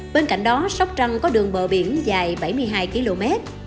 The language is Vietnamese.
bên cạnh đó sóc trăng có đường bờ biển dài bảy mươi hai km